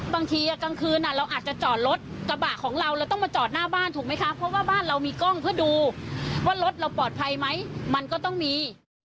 บางทีกลางคืนเราอาจจะจอดรถกระบะของเราเราต้องมาจอดหน้าบ้านถูกไหมคะเพราะว่าบ้านเรามีกล้องเพื่อดูว่ารถเราปลอดภัยไหมมันก็ต้องมี